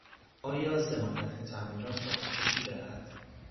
آیا ضمانت تعمیرات را پوشش می دهد؟